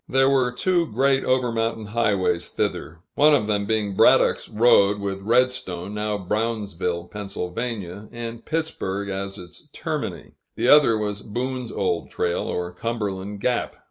There were two great over mountain highways thither, one of them being Braddock's Road, with Redstone (now Brownsville, Pa.) and Pittsburg as its termini; the other was Boone's old trail, or Cumberland Gap.